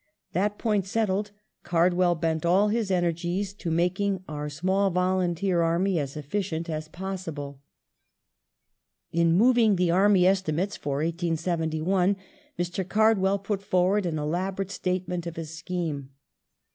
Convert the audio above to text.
That point settled. Card well bent all his energies to making our small volunteer army as efficient as possible. In moving the Army Estimates for 1871 Mr. Cardwell put forward an elaborate statement of his scheme.